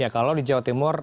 kalau di jawa timur